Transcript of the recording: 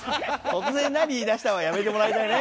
「突然何言い出した？」はやめてもらいたいね。